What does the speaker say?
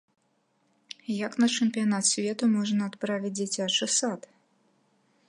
Як на чэмпіянат свету можна адправіць дзіцячы сад?!